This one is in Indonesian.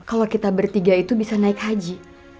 kalau kita bertiga itu bisa naik haji